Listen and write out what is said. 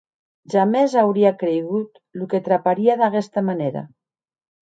Jamès auria creigut que lo traparia d’aguesta manèra.